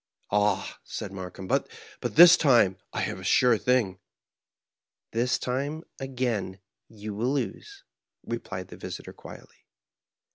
''^^ Ah," said Markheim, "but this time I have a sure thing." " This time, again, you will lose," replied the visitor, quietly.